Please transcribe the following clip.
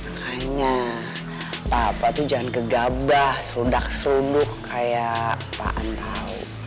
makanya papa tuh jangan gegabah serudak seruduk kayak apaan tau